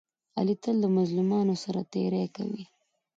علي تل د مظلومانو سره تېری کوي.